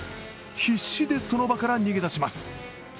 必死でその場から逃げ出します。